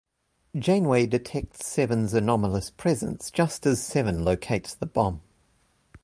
Janeway detects Seven's anomalous presence just as Seven locates the bomb.